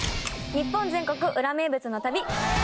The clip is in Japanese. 日本全国ウラ名物の旅。